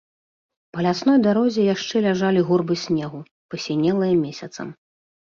Па лясной дарозе яшчэ ляжалі гурбы снегу, пасінелыя месяцам.